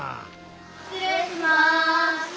失礼します。